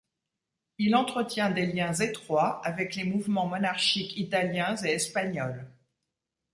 Il entretient des liens étroits avec les mouvements monarchiques italiens et espagnols.